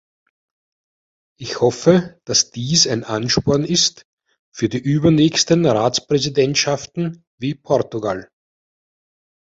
Ich hoffe, dass dies ein Ansporn ist für die übernächsten Ratspräsidentschaften wie Portugal.